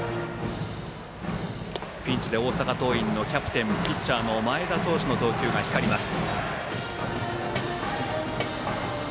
ピンチで大阪桐蔭のキャプテンピッチャーの前田投手の投球が光ります。